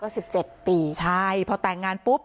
ก็๑๗ปีใช่พอแต่งงานปุ๊บ